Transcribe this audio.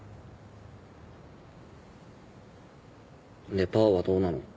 でパーはどうなの？